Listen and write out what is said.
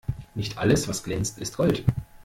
Nicht alles, was glänzt, ist Gold.